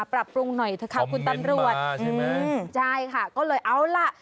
ปรับปรุงหน่อยเถอะค่ะคุณตำรวจใช่ไหมใช่ค่ะก็เลยเอาล่ะ